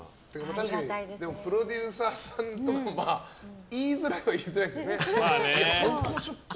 確かにプロデューサーさんとかは言いづらいは言いづらいですよね。